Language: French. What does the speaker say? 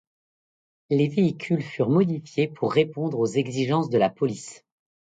Les véhicules furent modifiés pour répondre aux exigences de la police.